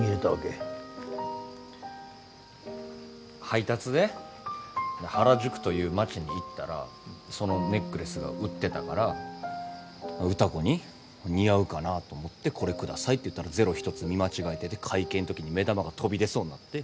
配達で原宿という街に行ったらそのネックレスが売ってたから歌子に似合うかなと思って「これ下さい」って言ったらゼロ一つ見間違えてて会計の時に目玉が飛び出そうになって。